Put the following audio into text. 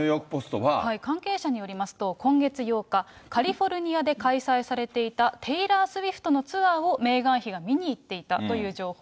関係者によりますと、今月８日、カリフォルニアで開催されていた、テイラー・スウィフトのツアーをメーガン妃が見に行っていたという情報。